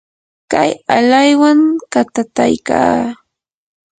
kay alaywan katataykaa.